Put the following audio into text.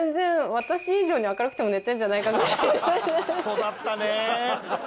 育ったねえ。